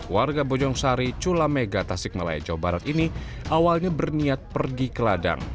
warga bojong sari culamega tasik malaya jawa barat ini awalnya berniat pergi ke ladang